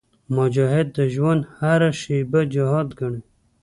مجاهد د ژوند هره شېبه جهاد ګڼي.